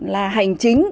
là hành chính